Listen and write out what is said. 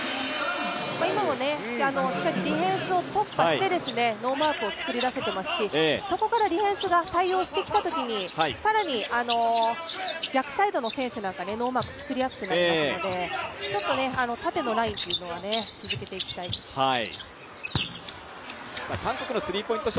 今もしっかりディフェンスを突破してノーマークを作り出せていますし、そこからディフェンスが対応してきたときに更に逆サイドの選手なんかノーマーク作りやすくなりますのでちょっと縦のラインは続けていきたいですね。